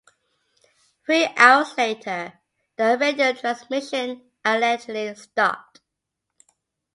Three hours later the radio transmission allegedly stopped.